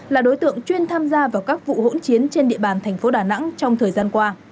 là đối tượng chuyên tham gia vào các vụ hỗn chiến trên địa bàn thành phố đà nẵng trong thời gian qua